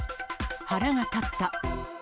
腹が立った。